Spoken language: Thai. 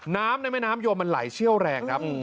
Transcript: น้ำในแม่น้ำยมมันไหลเชี่ยวแรงครับ